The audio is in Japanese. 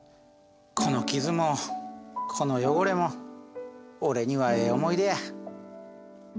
この傷もこの汚れも俺にはええ思い出や。